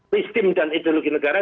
sistem dan ideologi negara